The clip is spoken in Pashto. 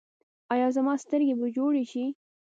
ایا زما سترګې به جوړې شي؟